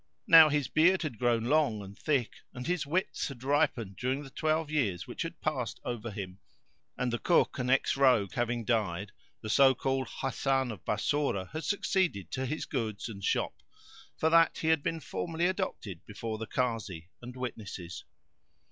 Now his beard had grown long and thick and his wits had ripened during the twelve years which had passed over him, and the Cook and ex rogue having died, the so called Hasan of Bassorah had succeeded to his goods and shop, for that he had been formally adopted before the Kazi and witnesses.